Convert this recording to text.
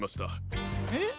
えっ？